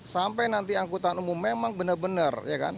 sampai nanti angkutan umum memang benar benar